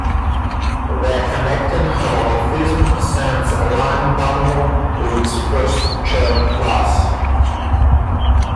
The connecting homomorphism sends a line bundle to its first Chern class.